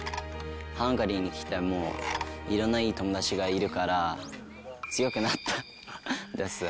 ハンガリーに来て、いろんないい友達がいるから、強くなったです。